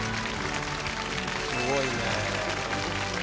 すごいね。